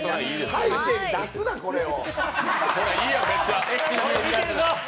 背景に出すな、これを！